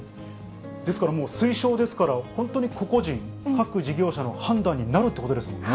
ですから、もう推奨ですから、本当に個々人、各事業者の判断になるということですもんね。